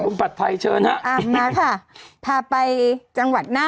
มาค่ะ